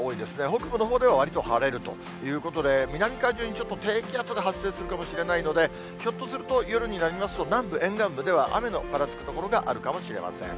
北部のほうではわりと晴れるということで、南海上にちょっと低気圧が発生するかもしれないので、ひょっとすると夜になりますと、南部沿岸部では、雨のぱらつく所があるかもしれません。